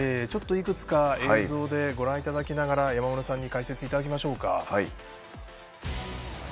ちょっといくつか映像でご覧いただきながら、山村さんに解説いただきましょうか。